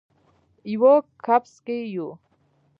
یوه کپس کې یو